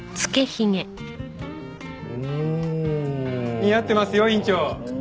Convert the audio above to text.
似合ってますよ院長。